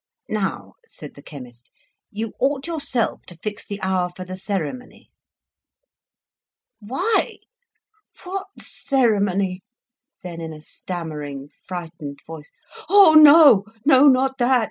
"Now," said the chemist, "you ought yourself to fix the hour for the ceremony." "Why? What ceremony?" Then, in a stammering, frightened voice, "Oh, no! not that.